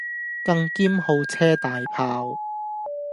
更兼好車大砲